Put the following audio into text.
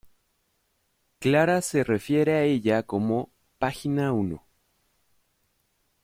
Clara se refiere a ella como "página uno".